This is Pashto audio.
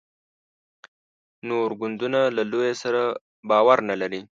نور ګوندونه له لویه سره باور نه لري.